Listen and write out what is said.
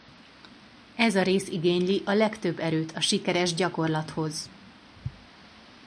Ez a rész igényli a legtöbb erőt a sikeres gyakorlathoz.